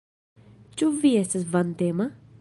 Ĉu vi estas vantema?